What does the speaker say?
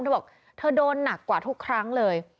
เธอบอกเธอโดนหนักกว่าทุกครั้งเลย